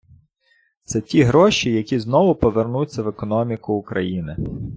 Це ті гроші, які знову повернуться в економіку України.